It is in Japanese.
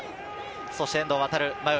そして遠藤航。